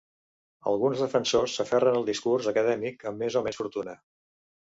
Alguns defensors s'aferren al discurs acadèmic, amb més o menys fortuna.